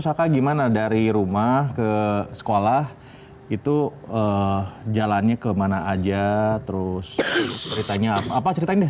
saka gimana dari rumah ke sekolah itu jalannya kemana aja terus ceritanya apa ceritain deh